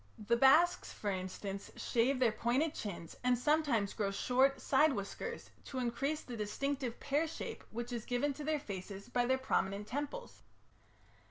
The Basques, for instance, shave their pointed chins and sometimes grow short side whiskers to increase the distinctive pear shape which is given to their faces by their prominent temples.